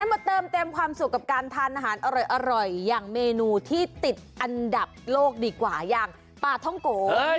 มาเติมเต็มความสุขกับการทานอาหารอร่อยอย่างเมนูที่ติดอันดับโลกดีกว่าอย่างปลาท่องโก